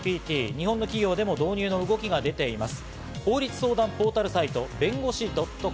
日本の企業でも導入の動きが出ています。